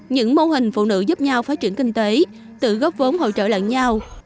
những mô hình phụ nữ giúp nhau phát triển kinh tế tự góp vốn hỗ trợ lẫn nhau